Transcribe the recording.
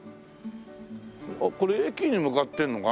あっこれ駅に向かってんのかな？